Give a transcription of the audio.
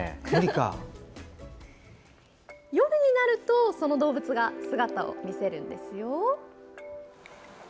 夜になるとその動物が姿を見せるんですよ。